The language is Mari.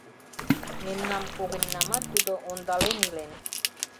Мемнам когыньнамат Тудо ондален илен...